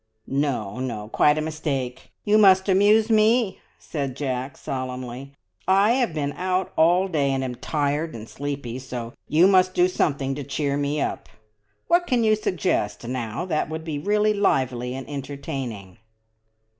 "No, no, quite a mistake. You must amuse me!" said Jack solemnly. "I have been out all day, and am tired and sleepy, so you must do something to cheer me up. What can you suggest, now, that would be really lively and entertaining?"